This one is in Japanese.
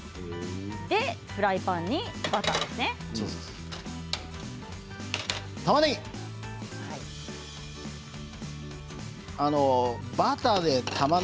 それでフライパンにバターですね。